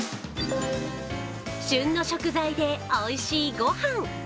旬の食材でおいしいご飯。